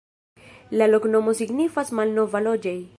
La loknomo signifas: malnova-loĝej'.